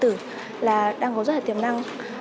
thương mại điện tử là đang có rất là tiềm năng